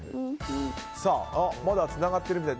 まだつながっているみたい。